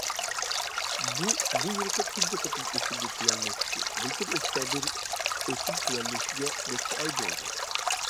بۇ بۇ يىلقى تۇنجى قېتىم ئۆسۈمنى تۆۋەنلىتىشى، بۇلتۇر ئۆكتەبىر ئۆسۈم تۆۋەنلىشىگە نەچچە ئاي بولدى.